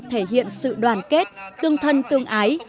thể hiện sự đoàn kết tương thân tương ái